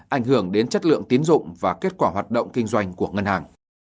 ảnh hưởng đến chất lượng tiến dụng và kết quả hoạt động kinh doanh của ngân hàng